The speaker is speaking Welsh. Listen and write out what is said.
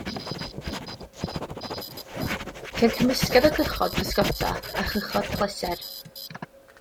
Ceir cymysgedd o gychod pysgota a chychod pleser.